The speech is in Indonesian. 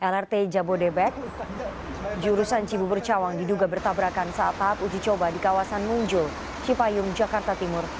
lrt jabodebek jurusan cibubur cawang diduga bertabrakan saat tahap uji coba di kawasan munjul cipayung jakarta timur